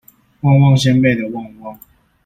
旺旺仙貝的旺旺